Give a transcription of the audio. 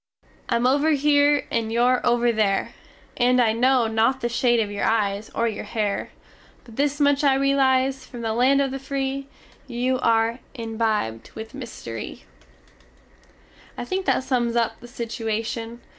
_Im over here, and your "over there" And I no not the shade of your eyes or your hare. But this much I relize, from the land of the Free! You are imbibed with mystery_! I think that sums up the situation.